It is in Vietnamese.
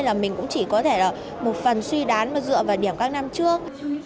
nên là mình cũng chỉ có thể là một phần suy đán mà dựa vào điểm các năm trước